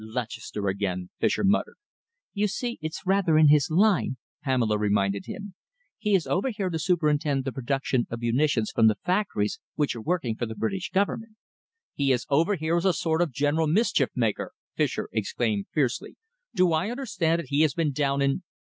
"Lutchester again!" Fischer muttered. "You see, it's rather in his line," Pamela reminded him. "He is over here to superintend the production of munitions from the factories which are working for the British Government." "He is over here as a sort of general mischief maker!" Fischer exclaimed fiercely. "Do I understand that he has been down in